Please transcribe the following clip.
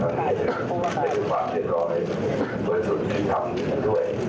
ด้วยความเศรษฐกรโดยสุทธิ์ที่ทำด้วย